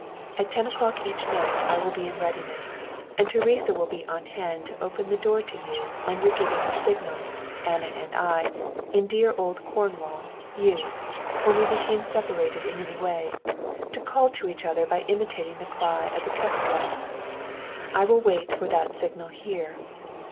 At ten o'clock each night I will be in readiness and Teresa will be on hand to open the door to you on your giving the signal, Anna and I, in dear old Cornwall, used, when we became separated in any way, to call to each other by imitating the cry of the kestrel. I will wait for that signal here.